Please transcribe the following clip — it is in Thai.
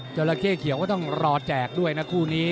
จราเข้เขียวก็ต้องรอแจกด้วยนะคู่นี้